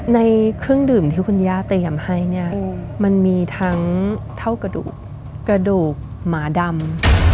ในเครื่องดื่มที่คุณย่าเตรียมให้เนี่ยมันมีทั้งเท่ากระดูกหมาดำ